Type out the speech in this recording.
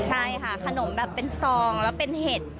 ใช่ค่ะขนมแบบเป็นซองแล้วเป็นเห็ด